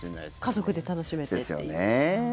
家族で楽しめてっていう。